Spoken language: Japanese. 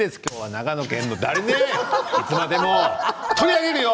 長野県の、誰ね、いつまでも取り上げるよ。